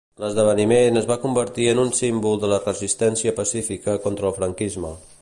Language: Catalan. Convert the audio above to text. L'esdeveniment es va convertir en un símbol de la resistència pacífica contra el franquisme.